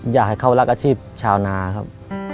อยากให้เขารักอาชีพชาวนาครับ